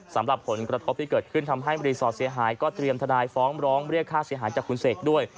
สำหรับผลกระทบที่เกิดขึ้นทำให้รีสอร์ทเสียหายก็เตรียมทนายฟ้องร้องเรียกค่าเสียหายจากคุณเสกด้วย